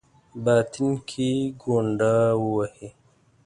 باطن کې ګونډه ووهي.